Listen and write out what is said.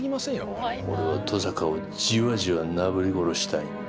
俺は登坂をじわじわなぶり殺したいんだ。